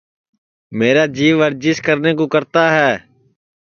میرا جیو ورجیس کرنے کُو کرتا ہے